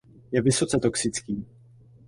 Je vysoce toxický.